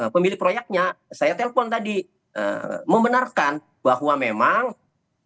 pemilik proyeknya saya telpon tadi membenarkan bahwa memang